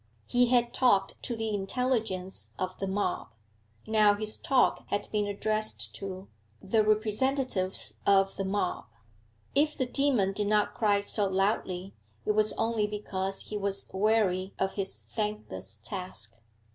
He had talked to the intelligence of the mob. Now his talk had been addressed to the representatives of the mob; if the demon did not cry so loudly, it was only because he was weary of his thankless task.